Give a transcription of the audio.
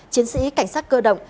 chiến sĩ cảnh sát cơ động